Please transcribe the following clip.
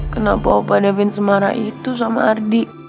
kenapa opa davin semara itu sama ardi